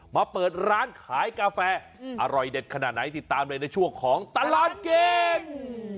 มาเปิดร้านขายกาแฟอร่อยเด็ดขนาดไหนติดตามเลยในช่วงของตลอดกิน